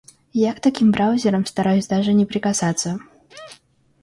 Я к таким браузерам стараюсь даже не прикасаться.